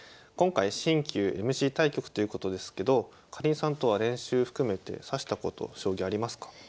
今回新旧ＭＣ対局ということですけどかりんさんとは練習含めて指したこと将棋ありますか？